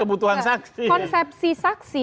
kebutuhan saksi konsepsi saksi